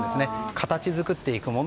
形作っていくもの